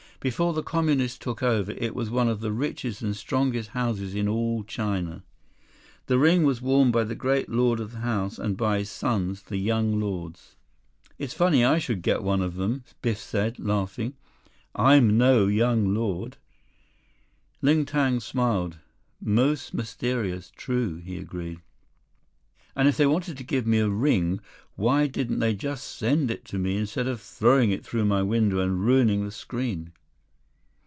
Before the Communists took over, it was one of the richest and strongest houses in all China. This ring was worn by the Great Lord of the house, and by his sons, the young lords." "It's funny I should get one of them," Biff said, laughing. "I'm no young lord." Ling Tang smiled. "Most mysterious, true," he agreed. "And if they wanted to give me a ring, why didn't they just send it to me, instead of throwing it through my window and ruining the screen?"